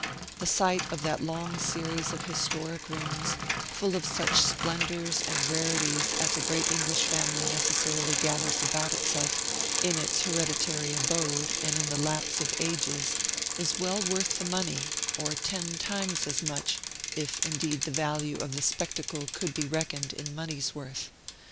The sight of that long series of historic rooms, full of such splendors and rarities as a great English family necessarily gathers about itself, in its hereditary abode, and in the lapse of ages, is well worth the money, or ten times as much, if indeed the value of the spectacle could be reckoned in money's worth.